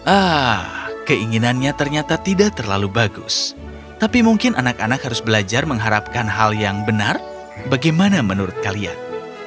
ah keinginannya ternyata tidak terlalu bagus tapi mungkin anak anak harus belajar mengharapkan hal yang benar bagaimana menurut kalian